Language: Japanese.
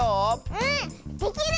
うんできる！